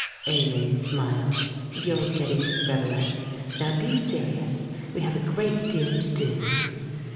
Aline smiled. "You're getting frivolous. Now be serious, we have a great deal to do."